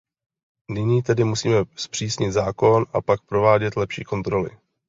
Nyní tedy musíme zpřísnit zákony a pak provádět lepší kontroly.